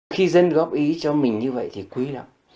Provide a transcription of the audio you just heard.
khi dân góp ý cho mình như vậy thì quý lắm